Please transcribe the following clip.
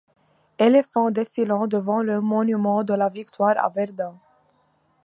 Éléphant défilant devant le monument de la Victoire à Verdun.